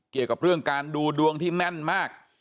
เกี่ยวกับเรื่องการดูดวงที่แม่นมาก